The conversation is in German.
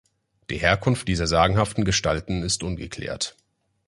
Die Herkunft dieser sagenhaften Gestalten ist ungeklärt.